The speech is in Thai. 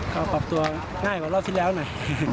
ก็ปรับตัวง่ายกว่ารอบที่แล้วหน่อย